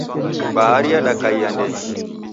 Bahari yadakaia ndenyi.